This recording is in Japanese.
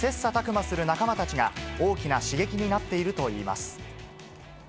磨する仲間たちが、大きな刺激になっているといいます。